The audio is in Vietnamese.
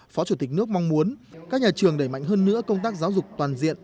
phó chủ tịch nước mong muốn các nhà trường đẩy mạnh hơn nữa công tác giáo dục toàn diện